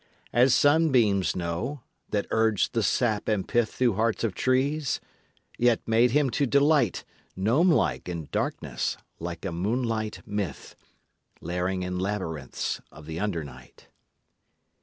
As sunbeams know, that urge the sap and pith Through hearts of trees? yet made him to delight, Gnome like, in darkness, like a moonlight myth, Lairing in labyrinths of the under night.